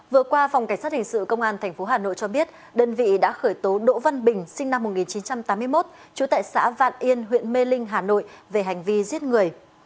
vừa qua phòng cảnh sát hình sự công an tp hà nội cho biết đơn vị đã khởi tố đỗ văn bình sinh năm một nghìn chín trăm tám mươi một trú tại xã vạn yên huyện mê linh hà nội về hành vi giết người